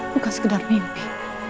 bukan sekedar mimpi